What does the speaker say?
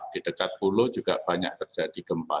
di dekat pulau juga banyak terjadi gempa